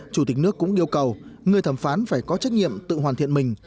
chủ tịch nước cũng yêu cầu người thẩm phán phải có trách nhiệm tự hoàn thiện mình